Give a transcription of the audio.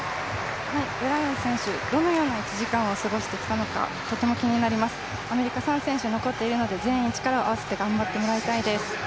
ブラウン選手、どのような１時間を過ごしてきたかとても気になります、アメリカ３選手残っているので全員力を合わせて頑張ってもらいたいです。